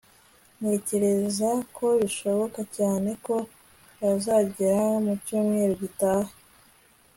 Ntekereza ko bishoboka cyane ko bazagera mu cyumweru gitaha